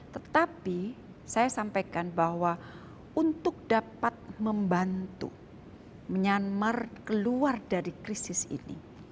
tetapi saya sampaikan bahwa untuk dapat membantu myanmar keluar dari krisis ini